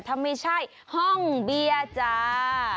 ถ้าไม่ใช่ห้องเบียร์จ้า